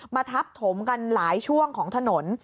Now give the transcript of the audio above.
ทับถมกันหลายช่วงของถนน